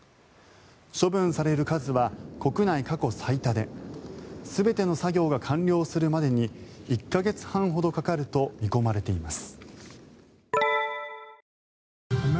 処分される数は国内過去最多で全ての作業が完了するまでに１か半月ほどかかると見込まれています。